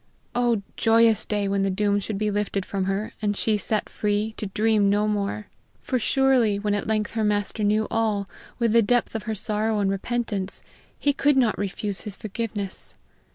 Oh, joyous day when the doom should be lifted from her, and she set free, to dream no more! For surely, when at length her master knew all, with the depth of her sorrow and repentance, he could not refuse his forgiveness!